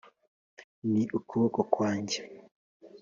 ni ukuboko kwanjye